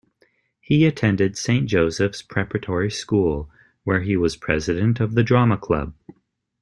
He attended Saint Joseph's Preparatory School, where he was president of the drama club.